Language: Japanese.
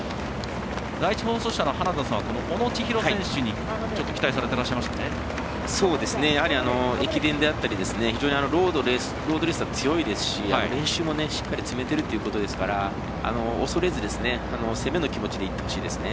第１放送車の花田さん小野知大選手に期待されていらっしゃいましたね。駅伝であったりロードレースは強いですし練習もしっかり詰めてるってことですから恐れず、攻めの気持ちでいってほしいですね。